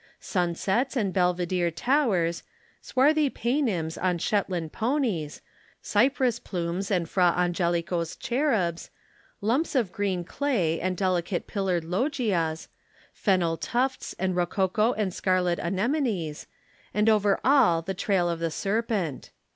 Sunsets and belvedere towers, swarthy Paynims on Shetland ponies, cypress plumes and Fra Angelico's cherubs, lumps of green clay and delicate pillared loggias, fennel tufts and rococo and scarlet anemones, and over all the trail of the serpent.